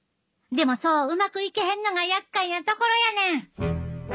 でもそううまくいけへんのがやっかいなところやねん！